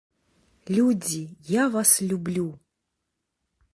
Людзі, я вас люблю!!!